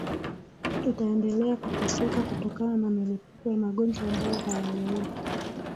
Tutaendelea kuteseka kutokana na milipuko ya magonjwa ambayo hayaeleweki